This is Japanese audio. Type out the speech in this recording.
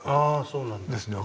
そうなんですね。